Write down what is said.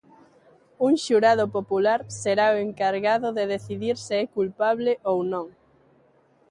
Un xurado popular será o encargado de decidir se é culpable ou non.